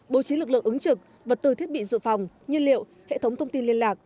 bố trí lực lượng ứng trực vật tư thiết bị dự phòng nhiên liệu hệ thống thông tin liên lạc